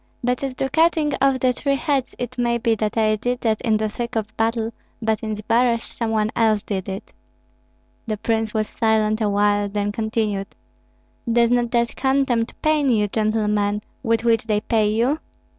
But as to cutting off the three heads, it may be that I did that in the thick of battle; but in Zbaraj some one else did it." The prince was silent awhile, then continued: "Does not that contempt pain you, gentlemen, with which they pay you?"